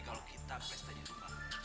kalau kita pesta di rumah